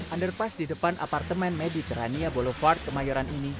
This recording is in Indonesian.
underpass di depan apartemen mediterania boulevard kemayoran ini